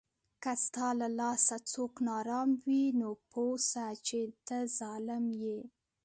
که ستا له لاسه څوک ناارام وي، نو پوه سه چې ته ظالم یې